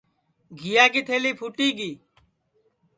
گھیا کی تھلی پُھوٹی گی